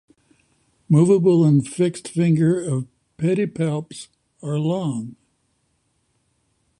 Movable and fixed finger of pedipalps are long.